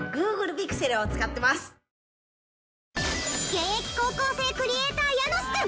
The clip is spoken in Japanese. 現役高校生クリエイターヤノスくん。